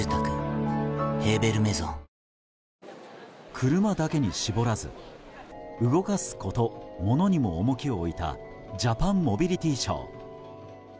車だけに絞らず動かすコト・モノにも重きを置いた「ジャパンモビリティショー」。